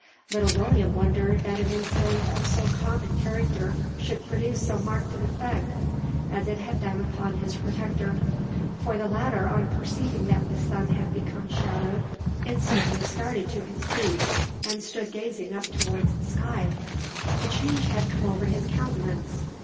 Little William wondered that an incident of so common character should produce so marked an effect as it had done upon his protector: for the latter on perceiving that the sun had become shadowed instantly started to his feet, and stood gazing up towards the sky. A change had come over his countenance.